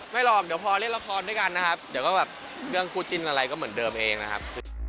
หรอกเดี๋ยวพอเล่นละครด้วยกันนะครับเดี๋ยวก็แบบเรื่องคู่จิ้นอะไรก็เหมือนเดิมเองนะครับ